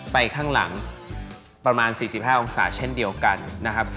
ข้างหลังประมาณ๔๕องศาเช่นเดียวกันนะครับ